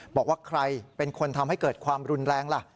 บอกว่าใครเป็นคนทำให้เกิดความรุนแรงล่ะ